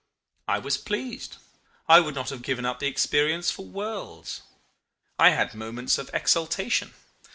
I was pleased. I would not have given up the experience for worlds. I had moments of exultation.